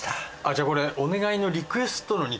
じゃあこれお願いのリクエストの肉？